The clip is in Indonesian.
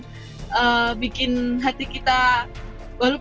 kita bisa berpikir kita bisa berpikir kita bisa berpikir